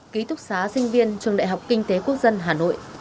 ký túc xá sinh viên trường đại học kinh tế quốc dân hà nội